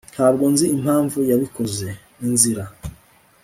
ntabwo nzi impamvu yabikoze. (inzira